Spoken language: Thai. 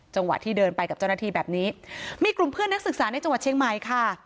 ที่เดินไปกับเจ้าหน้าที่แบบนี้มีกลุ่มเพื่อนนักศึกษาในจังหวัดเชียงใหม่ค่ะ